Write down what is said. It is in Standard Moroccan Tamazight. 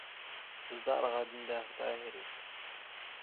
ⵥⴹⴰⵕⵖ ⴰⴷ ⵏⴷⵀⵖ ⵜⴰⵀⵉⵔⵉⵜ.